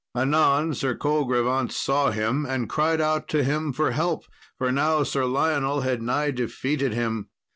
Anon Sir Colgrevance saw him, and cried out to him for help, for now Sir Lionel had nigh defeated him.